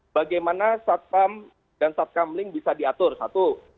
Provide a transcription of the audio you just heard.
bagaimana satpam dan satkamling bisa diatur satu